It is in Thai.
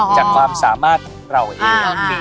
จากความสามารถของเราเอง